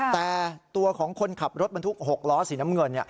แต่ตัวของคนขับรถบรรทุก๖ล้อสีน้ำเงิน